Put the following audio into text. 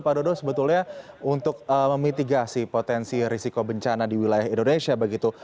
pak dodo sebetulnya untuk memitigasi potensi risiko bencana di wilayah indonesia begitu